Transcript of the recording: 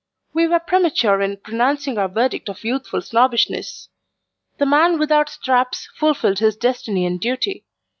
We were premature in pronouncing our verdict of youthful Snobbishness The man without straps fulfilled his destiny and duty.